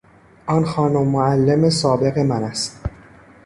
آن خانم معلم سابق من است.